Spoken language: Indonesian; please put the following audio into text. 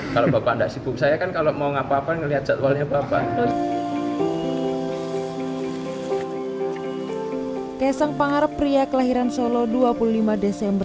kesang pengarap pria kelahiran solo dua puluh lima desember